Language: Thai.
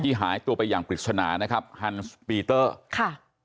หายตัวไปอย่างปริศนานะครับฮันส์ปีเตอร์ค่ะ